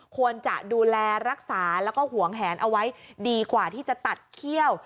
ควรจะดูแลรักษาแล้วก็หวงแหนเอาไว้ดีกว่าที่จะตัดเขี้ยว